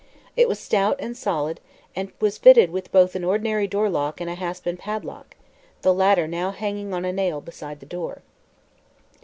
It was stout and solid and was fitted with both an ordinary door lock and a hasp and padlock, the latter now hanging on a nail beside the door.